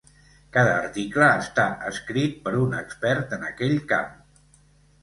Cada article està escrit per un expert en aquell camp.